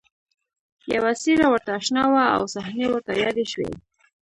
یوه څېره ورته اشنا وه او صحنې ورته یادې شوې